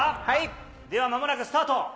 ではまもなくスタート。